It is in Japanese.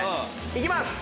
いきます！